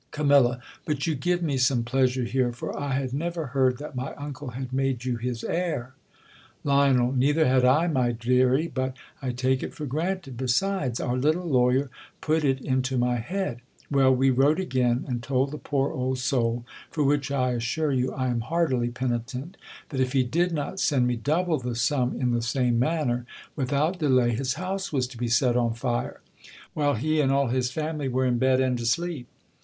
Cam, But you give me some pleasure here ; for I had never heard that my uncle had made you his heir. Lion, Neither had I, my deary; but 1 take it for fi; ranted. Besides, our little lawyer put it into my head. Well, wi wrote again, and told the poor old soul, for which I assure you I am heartily penitent, that, if he did not send ms double the sum, in the same manner, without delay, his hou»e was to be set on fe, while he ^nd all THE COLUMBIAN ORATOR. 2^23 his family were in bed and asleep.